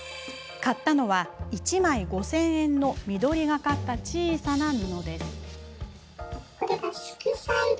買ったのは、１枚５０００円の緑がかった小さな布。